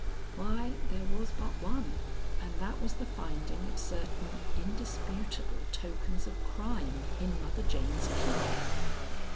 Why, there was but one, and that was the finding of certain indisputable tokens of crime in Mother Jane's keeping.